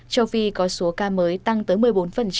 châu phi có số ca mới tăng tới một mươi bốn